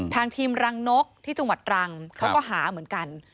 ทางทีมรังนกที่จังหวัดตรังเขาก็หาเหมือนกัน